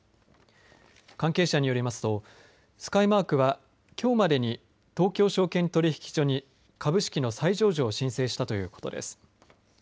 関係者によりますとスカイマークはきょうまでに東京証券取引所に株式の再上場を申請したということです。